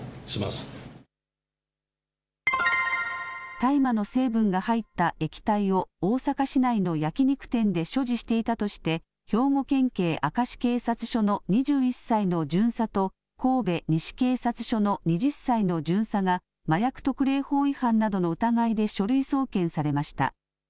大麻の成分が入った液体を大阪市内の焼き肉店で所持していたとして兵庫県警明石警察署の２１歳の巡査と神戸西警察署の２０歳の巡査が麻薬特例法違反などの疑いで書類送検されました。